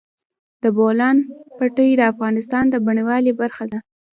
د بولان پټي د افغانستان د بڼوالۍ برخه ده.